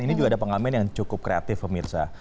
ini juga ada pengamen yang cukup kreatif pemirsa